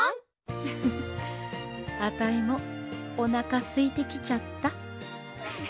ウフフあたいもおなかすいてきちゃった。